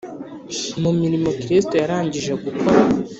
mu mirimo Kristo yarangije gukora.